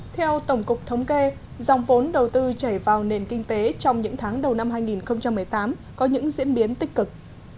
theo tổng cục thống kê dòng vốn đầu tư chảy vào nền kinh tế trong những tháng đầu năm hai nghìn một mươi tám có những diễn biến tích cực